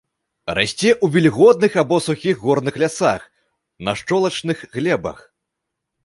Расце ў вільготных або сухіх горных лясах, на шчолачных глебах.